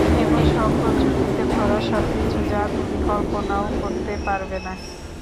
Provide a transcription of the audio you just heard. এমন সব প্রযুক্তিতে ভরা সবকিছু, যা তুমি কল্পনাও করতে পারবে না।